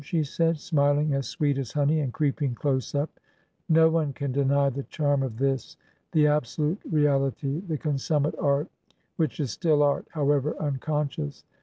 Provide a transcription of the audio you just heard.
she said, smiling as sweet as honey and creeping close up/' No one can deny the charm of this, the absolute real ity, the consummate art, which is still art, however un conscious.